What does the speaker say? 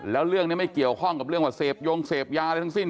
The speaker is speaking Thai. แล้วเรื่องนี้ไม่เกี่ยวข้องกับเรื่องว่าเสพยงเสพยาอะไรทั้งสิ้น